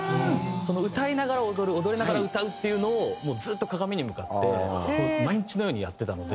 歌いながら踊る踊りながら歌うっていうのをずっと鏡に向かって毎日のようにやってたので。